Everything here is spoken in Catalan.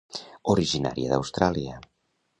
Originària d'Austràlia.